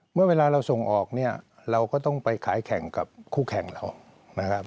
เมื่อเวลาเราส่งออกเนี่ยเราก็ต้องไปขายแข่งกับคู่แข่งเรานะครับ